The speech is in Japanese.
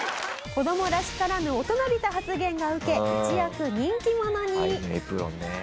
子どもらしからぬ大人びた発言がウケ一躍人気者に。